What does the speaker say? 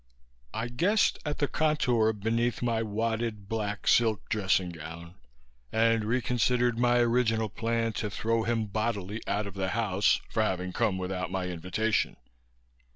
I guessed at the contour beneath my wadded black silk dressing gown and re considered my original plan to throw him bodily out of the house for having come without my invitation.